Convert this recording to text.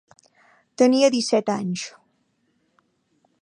Tenia disset anys.